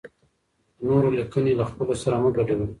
د نورو لیکني له خپلو سره مه ګډوئ.